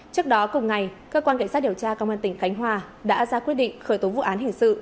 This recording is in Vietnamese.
trước đó cùng ngày cơ quan cảnh sát điều tra công an tỉnh khánh hòa đã ra quyết định khởi tố vụ án hình sự